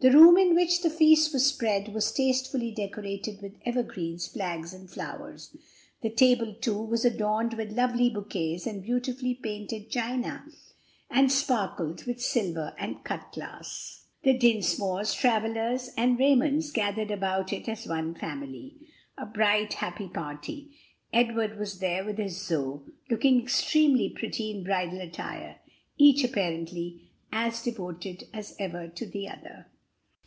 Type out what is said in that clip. The room in which the feast was spread was tastefully decorated with evergreens, flags and flowers; the table too was adorned with lovely bouquets and beautifully painted china and sparkled with silver and cut glass. The Dinsmores, Travillas, and Raymonds gathered about it as one family, a bright, happy party. Edward was there with his Zoe, looking extremely pretty in bridal attire, each apparently as devoted as ever to the other.